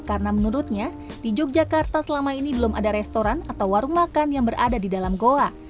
karena menurutnya di yogyakarta selama ini belum ada restoran atau warung makan yang berada di dalam goa